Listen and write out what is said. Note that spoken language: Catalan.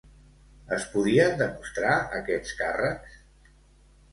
Es podien demostrar aquests càrrecs?